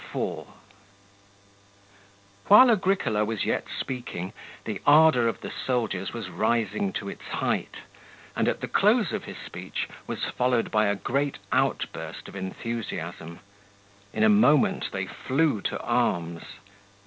35 While Agricola was yet speaking, the ardour of the soldiers was rising to its height, and the close of his speech was followed by a great outburst of enthusiasm. In a moment they flew to arms.